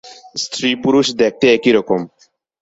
স্ত্রী-পুরুষ দেখতে একই রকম।